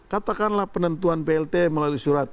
katakanlah penentuan plt melalui surat